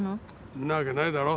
んなわけないだろ。